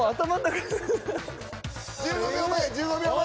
１５秒前１５秒前。